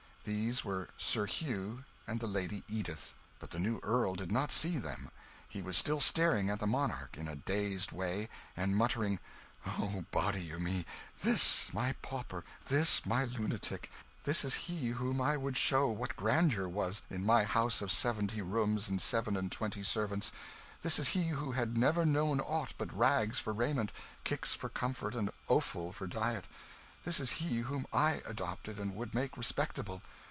These were Sir Hugh and the Lady Edith. But the new Earl did not see them. He was still staring at the monarch, in a dazed way, and muttering "Oh, body o' me! this my pauper! This my lunatic! This is he whom I would show what grandeur was, in my house of seventy rooms and seven and twenty servants! This is he who had never known aught but rags for raiment, kicks for comfort, and offal for diet! This is he whom I adopted and would make respectable!